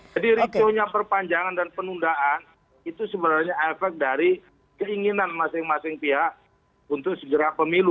jadi rizonya perpanjangan dan penundaan itu sebenarnya efek dari keinginan masing masing pihak untuk segera pemilu